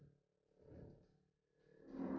kabur lagi kejar kejar kejar